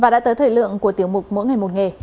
và đã tới thời lượng của tiểu mục mỗi ngày một nghề